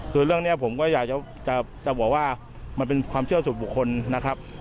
คือเรื่องนี้ผมก็อยากจะบอกว่ามันเป็นความเชื่อสู่บุคคลนะครับ